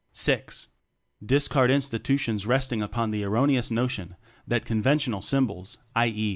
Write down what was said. (VI) Discard institutions resting upon the erroneous notion that con ventional symbols, i. e.